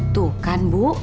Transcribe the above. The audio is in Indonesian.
tuh kan bu